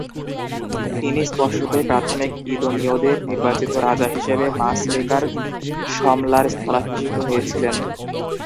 তিনি স্পষ্টতই প্রাথমিক ইদোমীয়দের নির্বাচিত রাজা হিসেবে মাসরেকার শম্লার স্থলাভিষিক্ত হয়েছিলেন।